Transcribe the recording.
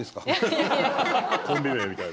コンビ名みたいな。